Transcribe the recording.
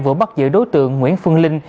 vừa bắt giữ đối tượng nguyễn phương linh